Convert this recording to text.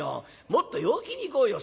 もっと陽気にいこうよ。